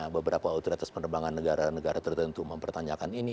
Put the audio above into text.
beberapa otoritas penerbangan negara negara tertentu mempertanyakan ini